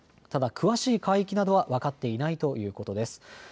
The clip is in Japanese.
詳しい海域などは分かっていないということです。